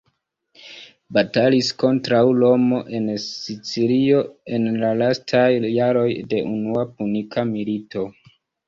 Batalis kontraŭ Romo en Sicilio en la lastaj jaroj de Unua Punika Milito.